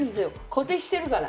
固定してるから。